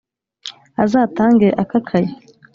azatange akakaye